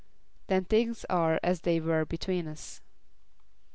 "Then things are as they were between us."